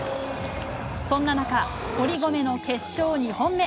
そんな中、堀米の決勝２本目。